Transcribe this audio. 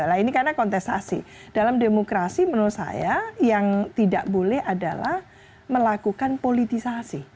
nah ini karena kontestasi dalam demokrasi menurut saya yang tidak boleh adalah melakukan politisasi